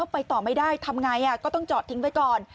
ไปต่อไม่ได้ทำไงก็ต้องจอดทิ้งไว้ก่อน